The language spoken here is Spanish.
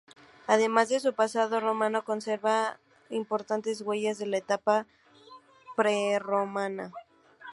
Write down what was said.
Además de su pasado romano conserva importantes huellas de la etapa prerromana.